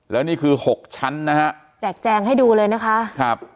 แล้วนี่คือหกชั้นนะฮะแจกแจงให้ดูเลยนะคะครับ